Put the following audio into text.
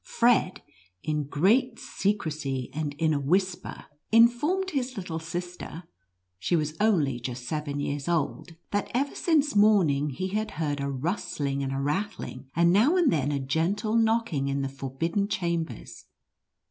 Fred, in great secrecy, and in a whisper, informed his 6 NUTCRACKER AND HOUSE KING. little sister (slie was only just seven years old), that ever since morning be had heard a rustling and a rattling, and now and then a gentle knocking, in the forbidden chambers.